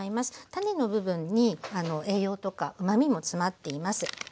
種の部分に栄養とかうまみも詰まっています。